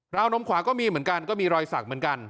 วนมขวาก็มีเหมือนกันก็มีรอยสักเหมือนกัน